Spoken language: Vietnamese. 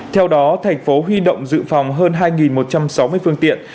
theo đó thành phố huy động dự phòng hơn hai một trăm sáu mươi phương tiện